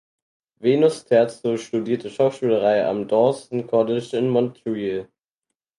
Venus Terzo studierte Schauspielerei am Dawson College in Montreal.